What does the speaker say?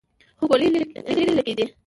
خو ګولۍ يې ليرې لګېدې.